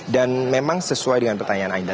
dan memang sesuai dengan pertanyaan anda